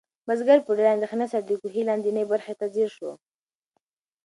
بزګر په ډېرې اندېښنې سره د کوهي لاندې برخې ته ځیر شو.